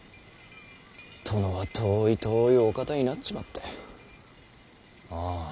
殿は遠い遠いお方になっちまった。